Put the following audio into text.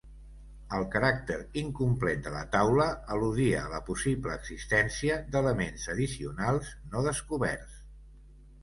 El caràcter incomplet de la taula al·ludia a la possible existència d'elements addicionals no descoberts.